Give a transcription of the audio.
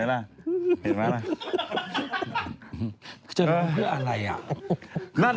ก็เป็นตัวอย่างให้ดูมิ